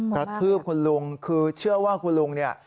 กระทืบคุณลุงคือเชื่อว่าคุณลุงเนี่ย